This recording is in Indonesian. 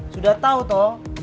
sudah tau toh